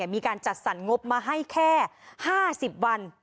มีการจัดสรรงบมาให้แค่๕๐วัน